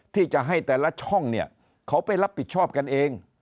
ที่จะให้แต่ละช่องเนี่ยเขาไปรับผิดชอบกันเอง